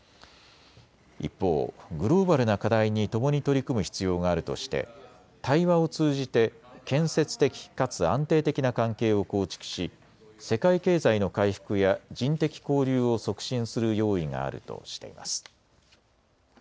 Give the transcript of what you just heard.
一方、グローバルな課題に共に取り組む必要があるとして対話を通じて建設的かつ安定的な関係を構築し世界経済の回復や人的交流を促進する用意があるとしています。